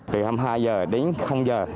từ hai mươi hai h đến h